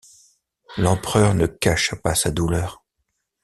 L'Empereur ne cacha pas sa douleur.